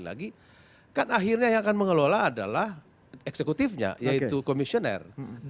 loh ini belum seratus hari